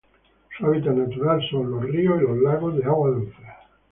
Su hábitat natural son: ríos y lagos de agua dulce